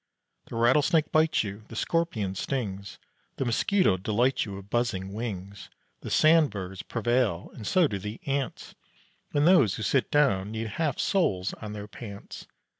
The rattlesnake bites you, the scorpion stings, The mosquito delights you with buzzing wings; The sand burrs prevail and so do the ants, And those who sit down need half soles on their pants.